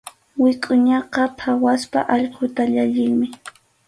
Wikʼuñaqa phawaspa allquta llallinmi.